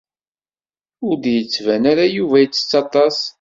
Ur d-yettban ara Yuba itett aṭas.